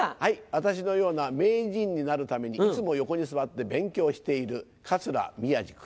私のような名人になるためにいつも横に座って勉強している桂宮治君。